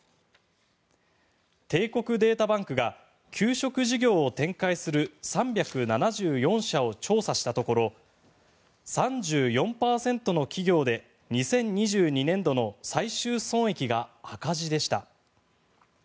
帝国データバンクが給食事業を展開する３７４社を調査したところ３４％の企業で２０２２年度の最終損益が赤字でした。